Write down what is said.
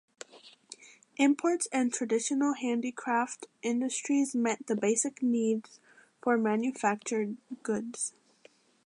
Imports and traditional handicraft industries met the basic needs for manufactured goods.